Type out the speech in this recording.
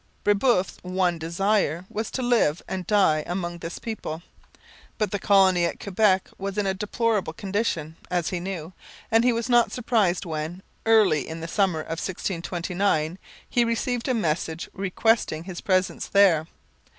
Brebeuf's one desire now was to live and die among this people. But the colony at Quebec was in a deplorable condition, as he knew, and he was not surprised when, early in the summer of 1629, he received a message requesting his presence there.